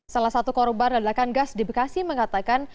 salah satu korban ledakan gas di bekasi mengatakan